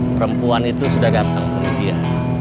perempuan itu sudah datang ke media